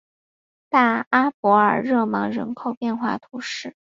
大阿伯尔热芒人口变化图示